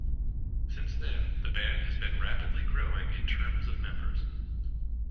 Since then, the band has been rapidly growing in terms of members.